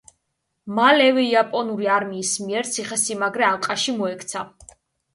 მალევე, იაპონური არმიის მიერ ციხესიმაგრე ალყაში მოექცა.